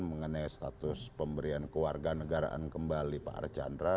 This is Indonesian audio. mengenai status pemberian kewarganegaraan kembali pak archandra